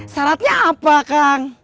syaratnya apa kang